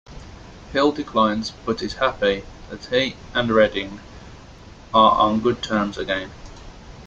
Hill declines but is happy that he and Redding are on good terms again.